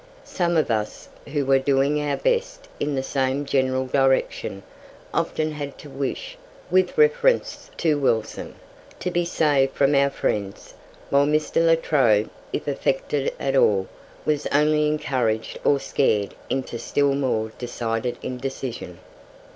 Some of us, who were doing our best in the same general direction, often had to wish, with reference to Wilson, to be saved from our friends, while Mr. La Trobe, if affected at all, was only encouraged or scared into still more decided indecision.